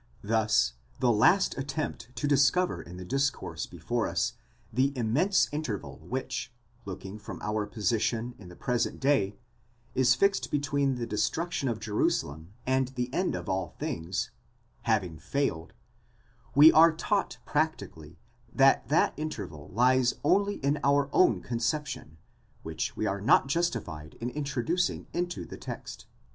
Thus the last attempt to discover in the discourse before us the immense interval which, looking from our position in the present day, is fixed between the destruction of Jerusalem and the end of all things, having failed; we are taught practically that that interval lies only in our own conception, which we are not justified in introducing into the text.